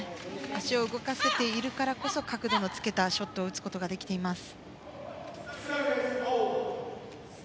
足を動かせているからこそ角度のつけたショットを打つことができています。